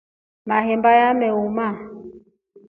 Mahemba yameoma.